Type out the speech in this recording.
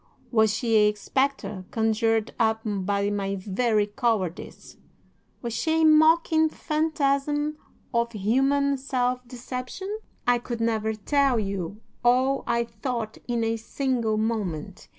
Was she a spectre conjured up by my very cowardice? Was she a mocking phantasm of human self deception? "'I could never tell you all I thought in a single moment.